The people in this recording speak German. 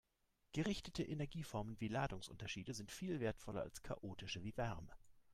Gerichtete Energieformen wie Ladungsunterschiede sind viel wertvoller als chaotische wie Wärme.